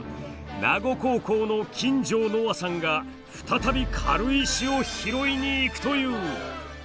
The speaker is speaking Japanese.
名護高校の金城望愛さんが再び軽石を拾いに行くという。